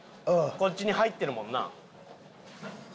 こっちに入ってるもんな。